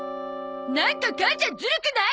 なんか母ちゃんずるくない？